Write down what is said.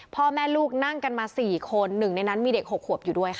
พ่อแม่ลูกนั่งกันมา๔คนหนึ่งในนั้นมีเด็ก๖ขวบอยู่ด้วยค่ะ